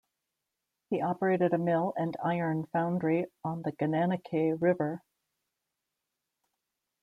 He operated a mill and iron foundry on the Gananoque River.